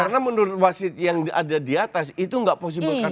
karena menurut wasit yang ada di atas itu tidak possible kartu merah